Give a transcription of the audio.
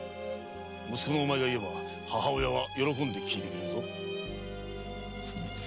息子のお前が言えば母親は喜んできいてくれるぞ。